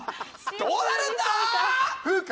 どうなるんだー！